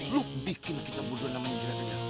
lo bikin kita bodoh namanya jerang ajar